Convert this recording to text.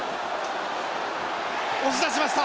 押し出しました！